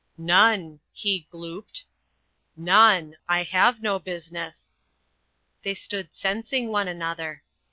"None," he glooped, "none. I have no business." They stood sensing one another.